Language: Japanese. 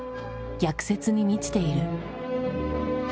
逆説に満ちている。